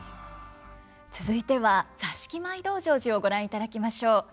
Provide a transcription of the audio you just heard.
続いては「座敷舞道成寺」をご覧いただきましょう。